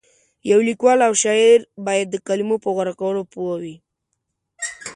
یو لیکوال او شاعر باید د کلمو په غوره کولو پوه وي.